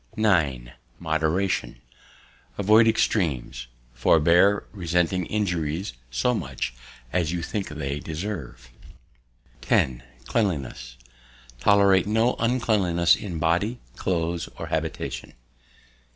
9. Moderation. Avoid extreams; forbear resenting injuries so much as you think they deserve. 10. Cleanliness. Tolerate no uncleanliness in body, cloaths, or habitation.